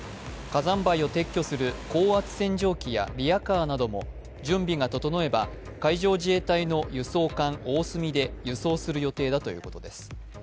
火山灰を撤去する高圧洗浄機やリヤカーなども、準備が整えば、海上自衛隊の輸送艦「おおすみ」で輸送する予定だということです。